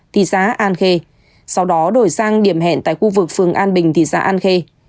thị xã an khê sau đó đổi sang điểm hẹn tại khu vực phường an bình thị xã an khê